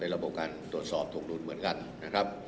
เป็นระบบการตรวจสอบถูกรุนเหมือนกันนะครับ